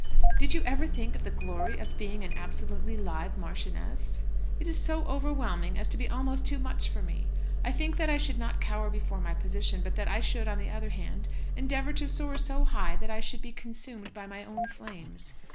Did you ever think of the glory of being an absolutely live marchioness? It is so overwhelming as to be almost too much for me. I think that I should not cower before my position, but that I should, on the other hand, endeavour to soar so high that I should be consumed by my own flames.